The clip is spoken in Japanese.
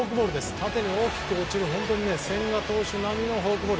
縦に多く落ちる千賀投手並みのフォークボール。